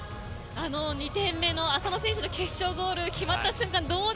あの２点目の浅野選手の決勝ゴール決まった瞬間